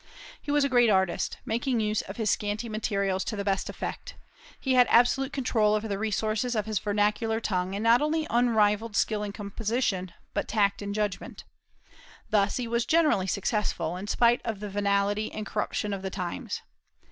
He was a great artist, making use of his scanty materials to the best effect; he had absolute control over the resources of his vernacular tongue, and not only unrivalled skill in composition, but tact and judgment. Thus he was generally successful, in spite of the venality and corruption of the times.